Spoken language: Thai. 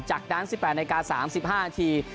จากดั้ง๑๘นาคาร๓๕นาที